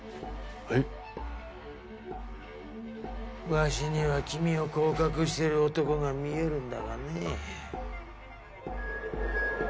わしには君を行確している男が見えるんだがね。